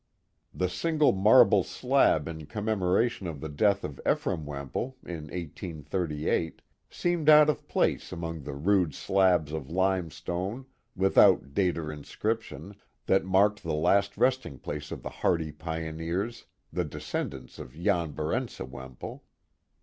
The single marble slab in commemoration of the death of Ephraim Wemple, in 1838, seemed out of place among the rude slabs of limestone, without date or inscription, that marked the last resting place of the hardy pioneers, the descendants of Jan Barentse Wemple.